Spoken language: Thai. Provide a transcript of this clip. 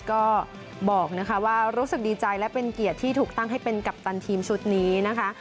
ก็บอกนะคะว่ารู้สึกดีใจและเป็นเกียรติที่ถูกตั้งให้เป็นกัปตันทีมชุดนี้นะคะ